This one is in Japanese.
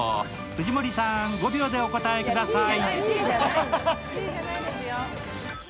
藤森さん、５秒でお答えください。